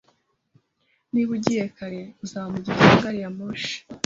Niba ugiye kare, uzaba mugihe cya gari ya moshi